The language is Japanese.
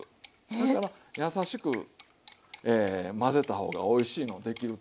だから優しく混ぜた方がおいしいのできると。